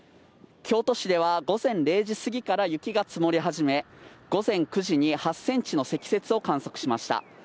京都市では午前０時過ぎから雪が積もり始め、午前９時に８ｃｍの積雪を観測しました。